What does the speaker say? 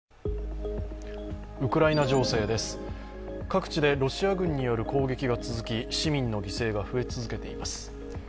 各地でロシア軍による攻撃が続き市民の犠牲が増え続けています。